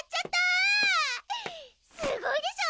すごいでしょ！